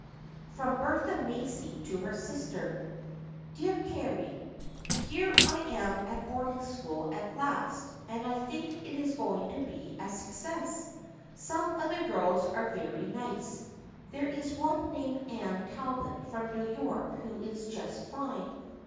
From Bertha Macy to her sister :" Dear Carry :" Here I am at boarding school at last and I think it is going to be a success. Some of the girls are very nice. There is one named Anne Talbot from New York who is just fine.